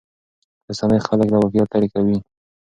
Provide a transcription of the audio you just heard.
رسنۍ خلک له واقعیت لرې کوي.